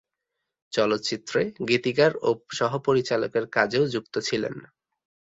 চলচ্চিত্রে গীতিকার ও সহ পরিচালকের কাজেও যুক্ত ছিলেন।